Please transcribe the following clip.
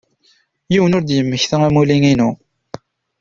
Yiwen ur d-yemmekta amulli-inu.